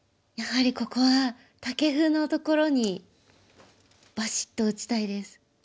やはりここはタケフのところにバシッと打ちたいです。